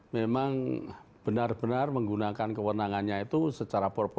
memang benar benar menggunakan kewenangannya itu secara